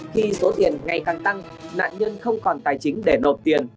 khi số tiền ngày càng tăng nạn nhân không còn tài chính để nộp tiền